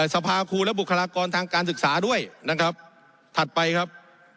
สภาครูและบุคลากรทางการศึกษาด้วยนะครับถัดไปครับ